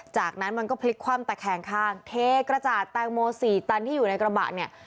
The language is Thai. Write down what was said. จากนั้นมันก็พลิกคว่ำตะแคงข้างเทกระจาดแตงโมสี่ตันที่อยู่ในกระบะเนี่ย